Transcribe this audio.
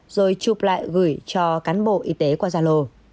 rồi chụp lại gửi cho cán bộ y tế qua gia lô